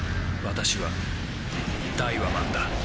私はダイワマンだ